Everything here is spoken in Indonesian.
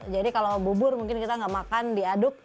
jadi kalau bubur mungkin kita nggak makan diaduk